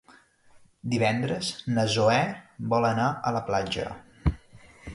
Divendres na Zoè vol anar a la platja.